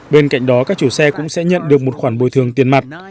bên cạnh đó các chủ xe cũng sẽ nhận được một khoản bồi thường tiền mặt